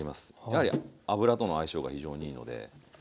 やはり油との相性が非常にいいので。